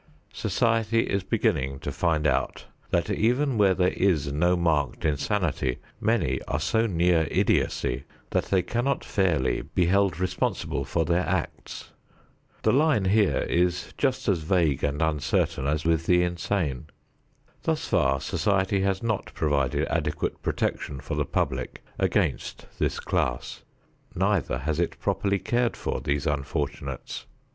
Society is beginning to find out that even where there is no marked insanity, many are so near idiocy that they cannot fairly be held responsible for their acts. The line here is just as vague and uncertain as with the insane. Thus far, society has not provided adequate protection for the public against this class; neither has it properly cared for these unfortunates.